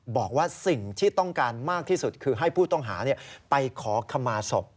บอกว่าสิ่งที่ต้องการมากที่สุดคือให้ผู้ต้องหาไปขอขมาศพ